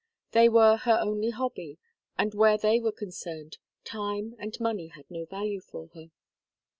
They were her only hobby, and where they were concerned, time and money had no value for her.